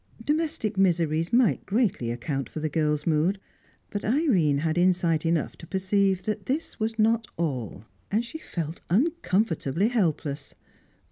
Domestic miseries might greatly account for the girl's mood, but Irene had insight enough to perceive that this was not all. And she felt uncomfortably helpless.